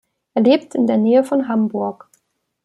Er lebt in der Nähe von Hamburg.